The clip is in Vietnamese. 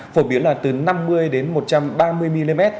phổ biến là từ năm mươi đến một trăm ba mươi mm